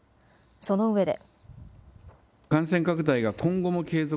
そのうえで。